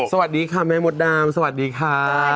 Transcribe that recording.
สวัสดีค่ะแม่มดดำสวัสดีค่ะ